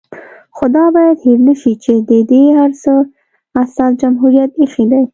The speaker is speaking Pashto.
خو دا بايد هېر نشي چې د دې هر څه اساس جمهوريت ايښی دی